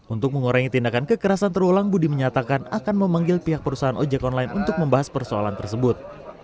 untuk mengurangi tindakan kekerasan terulang budi menyatakan akan memanggil pihak perusahaan ojek online untuk membahas persoalan tersebut